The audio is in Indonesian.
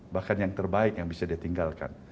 bahkan yang terbaik yang bisa ditinggalkan